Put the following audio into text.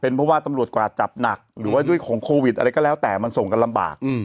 เพราะว่าตำรวจกว่าจับหนักหรือว่าด้วยของโควิดอะไรก็แล้วแต่มันส่งกันลำบาก